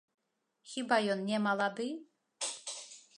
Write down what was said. Хіба ён не малады?